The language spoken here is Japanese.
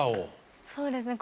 そうですね。